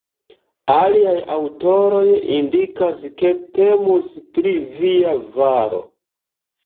Aliaj aŭtoroj indikas ke temus pri "via valo".